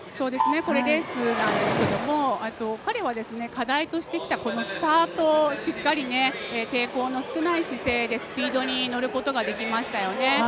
レースなんですが、彼は課題としてきたスタートをしっかり、抵抗の少ない姿勢でスピードに乗ることができましたよね。